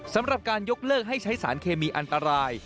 สำหรับการยกเลิกให้ใช้สารเคมีอันตราย